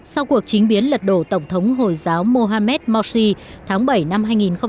sau cuộc chính biến lật đổ tổng thống hồi giáo mohamed masi tháng bảy năm hai nghìn một mươi ba